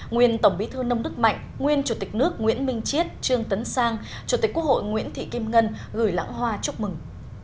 nguyên tổng bí thư nông đức mạnh nguyên chủ tịch nước nguyễn minh chiết trương tấn sang chủ tịch quốc hội nguyễn thị kim ngân gửi lãng hoa chúc mừng